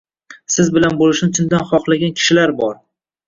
Siz bilan bo’lishni chindan xohlagan kishilar bor.